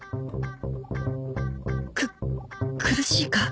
くっ苦しいか？